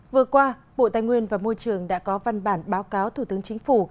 vừa qua bộ tài nguyên và môi trường đã có văn bản báo cáo thủ tướng chính phủ